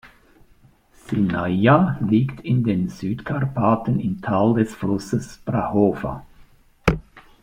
Sinaia liegt in den Südkarpaten im Tal des Flusses Prahova.